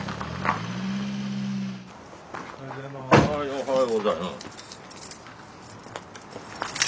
おはようございます。